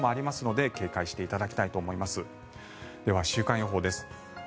では週間予報です。